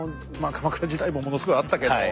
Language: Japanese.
鎌倉時代もものすごいあったけども。